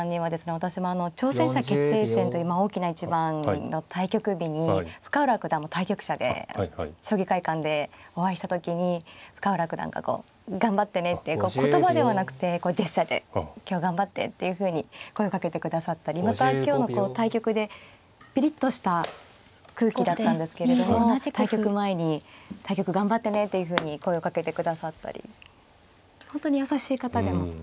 私も挑戦者決定戦という大きな一番の対局日に深浦九段も対局者で将棋会館でお会いした時に深浦九段がこう頑張ってねっていうか言葉ではなくてこうジェスチャーで今日頑張ってっていうふうに声をかけてくださったりまた今日の対局でピリッとした空気だったんですけれども対局前に対局頑張ってねっていうふうに声をかけてくださったり本当に優しい方でもありますよね。